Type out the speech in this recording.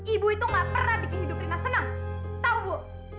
ibu itu gak pernah bikin hidup kita senang tahu bu